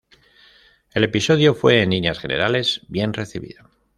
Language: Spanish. El episodio fue en líneas generales bien recibido.